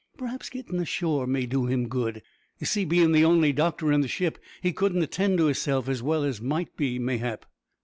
P'r'aps gittin' ashore may do him good. You see, bein' the only doctor in the ship, he couldn't attend to hisself as well as might be, mayhap."